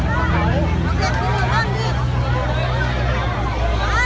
ก็ไม่มีเวลาให้กลับมาเท่าไหร่